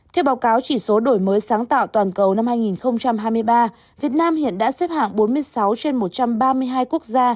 theo báo cáo chỉ số đổi mới sáng tạo toàn cầu năm hai nghìn hai mươi ba việt nam hiện đã xếp hạng bốn mươi sáu trên một trăm ba mươi hai quốc gia